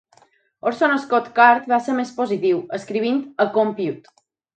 Orson Scott Card va ser més positiu, escrivint a Compute!